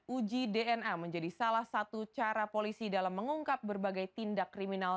uji dna menjadi salah satu cara polisi dalam mengungkap berbagai tindak kriminal